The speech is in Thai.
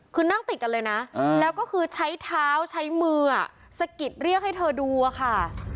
คือนั่งติดกันเลยนะแล้วก็คือใช้เท้าใช้มือสะกิดเรียกให้เธอดูอะค่ะ